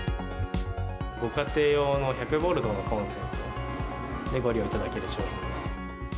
ご家庭用の１００ボルトのコンセントでご利用いただける商品です。